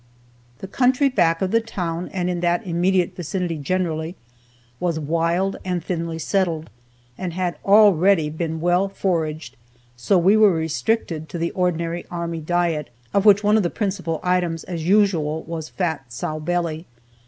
The country back of the town, and in that immediate vicinity generally, was wild and thinly settled, and had already been well foraged, so we were restricted to the ordinary army diet, of which one of the principal items, as usual, was fat sow belly.